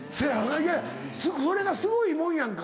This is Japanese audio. いやこれがすごいもんやんか。